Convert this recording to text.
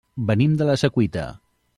Venim de la Secuita.